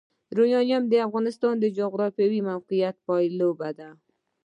یورانیم د افغانستان د جغرافیایي موقیعت پایله ده.